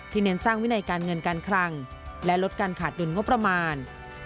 เน้นสร้างวินัยการเงินการคลังและลดการขาดดุลงบประมาณ